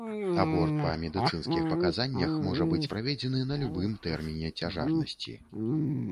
Аборт па медыцынскіх паказаннях можа быць праведзены на любым тэрміне цяжарнасці.